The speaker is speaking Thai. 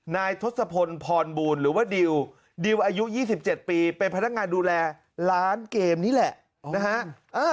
ทศพลพรบูลหรือว่าดิวดิวอายุ๒๗ปีเป็นพนักงานดูแลร้านเกมนี่แหละนะฮะ